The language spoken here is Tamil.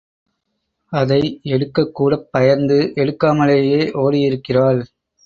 அதை எடுக்கக்கூடப் பயந்து எடுக்காமலேயே ஒடியிருக்கிறாள்.